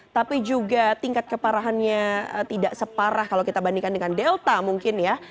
tapi juga tingkat keparahannya tidak separah kalau kita bandingkan dengan delta mungkin ya